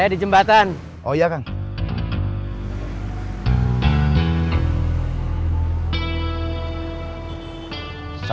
dijumpai kang mus